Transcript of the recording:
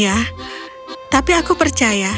ya tapi aku percaya